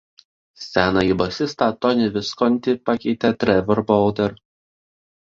Senąjį bosistą Tony Visconti pakeitė Trevor Bolder.